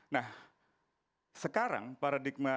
nah sekarang paradigmasnya